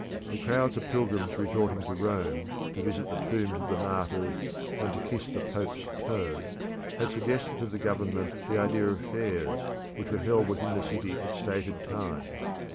The crowds of pilgrims resorting to Rome to visit the tombs of the martyrs, and to kiss the Pope's toe, had suggested to the Government the idea of fairs which were held within the city at stated times.